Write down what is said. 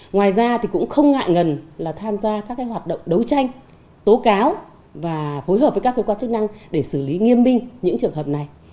ngoài ra thì cũng không ngại ngần là tham gia các hoạt động đấu tranh tố cáo và phối hợp với các cơ quan chức năng để xử lý nghiêm minh những trường hợp này